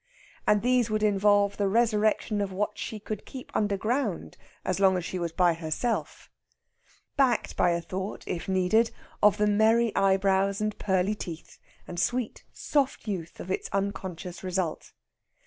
And these would involve the resurrection of what she could keep underground as long as she was by herself; backed by a thought, if needed, of the merry eyebrows and pearly teeth, and sweet, soft youth, of its unconscious result.